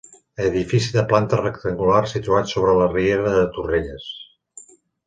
Edifici de planta rectangular situat sobre la riera de Torrelles.